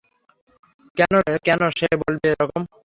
কেন সে বলবে এরকম?